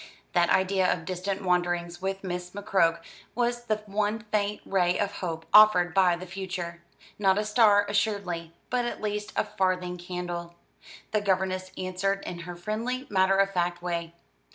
That idea of distant wanderings with Miss McCroke was the one faint ray of hope offered by the future not a star, assuredly, but at least a farthing candle. The governess answered in her friendly matter of fact way.